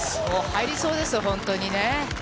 入りそうですよ、本当にね。